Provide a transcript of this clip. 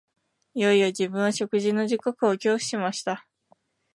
いよいよ自分は食事の時刻を恐怖しました